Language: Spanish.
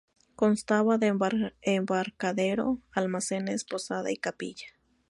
Constaba de embarcadero, almacenes, posada y capilla.